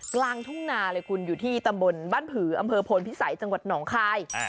กลางทุ่งนาเลยคุณอยู่ที่ตำบลบ้านผืออำเภอโพนพิสัยจังหวัดหนองคาย